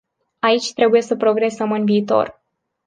Aici trebuie să progresăm în viitor.